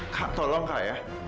kak tolong kak ya